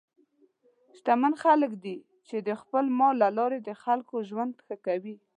شتمن څوک دی چې د خپل مال له لارې د خلکو ژوند ښه کوي.